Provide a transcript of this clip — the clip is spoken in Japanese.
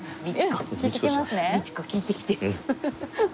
道子聞いてきて。